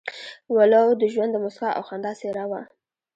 ولو د ژوند د موسکا او خندا څېره وه.